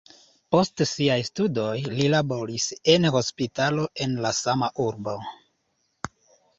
Post siaj studoj li laboris en hospitalo en la sama urbo.